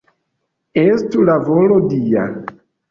Estu la volo Dia!